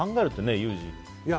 ユージ。